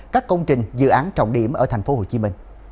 các công trình dự án trọng điểm ở tp hcm